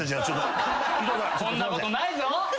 こんなことないぞ。